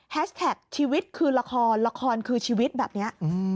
แท็กชีวิตคือละครละครคือชีวิตแบบนี้